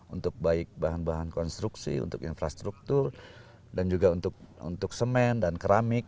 untuk baik bahan bahan konstruksi untuk infrastruktur dan juga untuk semen dan keramik